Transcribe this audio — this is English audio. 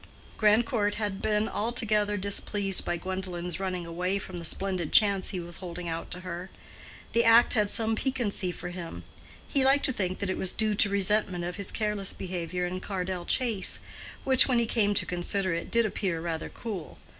Grandcourt had not been altogether displeased by Gwendolen's running away from the splendid chance he was holding out to her. The act had some piquancy for him. He liked to think that it was due to resentment of his careless behavior in Cardell Chase, which, when he came to consider it, did appear rather cool.